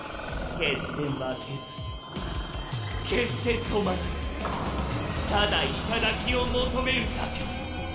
決して負けず決して止まらずただ頂を求めるだけ。